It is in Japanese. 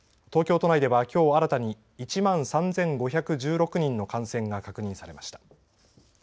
東京都内ではきょう新たに１万３５１６人の感染が確認されました。